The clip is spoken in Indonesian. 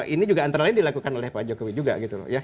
ini juga antara lain dilakukan oleh pak jokowi juga gitu loh ya